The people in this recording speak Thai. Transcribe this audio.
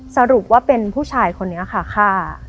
สรุปว่าเป็นผู้ชายคนนี้ค่ะฆ่า